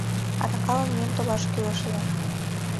Аракалан миен толаш кӱлеш ыле.